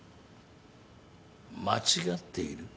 間違っている？